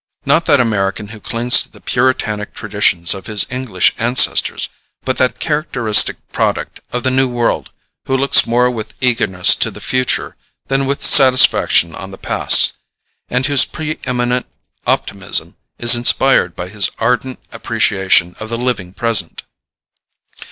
Not that American who clings to the Puritanic traditions of his English ancestors, but that characteristic product of the New World who looks more with eagerness to the future than with satisfaction on the past, and whose pre eminent optimism is inspired by his ardent appreciation of the living present.